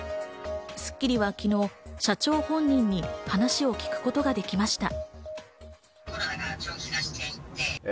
『スッキリ』は昨日、社長本人に話を聞くことができました。